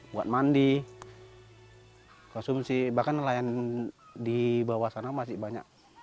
buat mandi konsumsi bahkan nelayan di bawah sana masih banyak